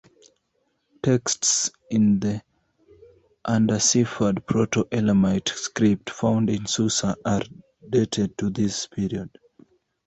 Texts in the undeciphered Proto-Elamite script found in Susa are dated to this period.